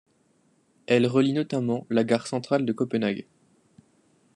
Elle relie notamment la gare centrale de Copenhague.